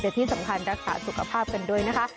และที่สำคัญรักษาสุขภาพกันด้วยนะคะ